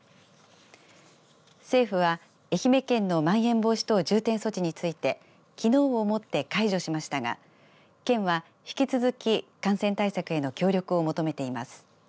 政府は愛媛県のまん延防止等重点措置についてきのうをもって解除しましたが県は引き続き、感染対策への協力を求めています。